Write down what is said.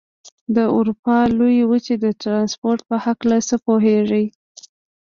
د اروپا لویې وچې د ترانسپورت په هلکه څه پوهېږئ؟